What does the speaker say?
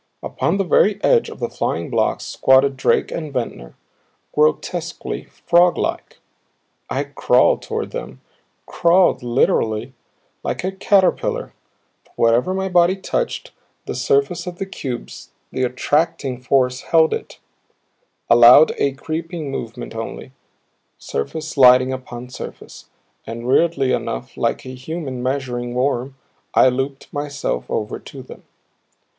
Upon the very edge of the flying blocks squatted Drake and Ventnor, grotesquely frog like. I crawled toward them crawled, literally, like a caterpillar; for wherever my body touched the surface of the cubes the attracting force held it, allowed a creeping movement only, surface sliding upon surface and weirdly enough like a human measuring worm I looped myself over to them.